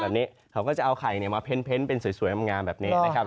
แบบนี้เขาก็จะเอาไข่มาเพ้นเป็นสวยงามแบบนี้นะครับ